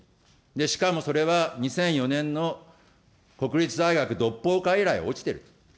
しかもそれは２００４年の国立大学独法化以来落ちている。